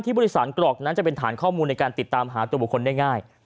บริษัทกรอกนั้นจะเป็นฐานข้อมูลในการติดตามหาตัวบุคคลได้ง่าย